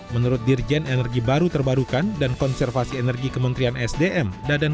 menurut dirjen energi baru terbarukan dan konservasi energi kementerian sdm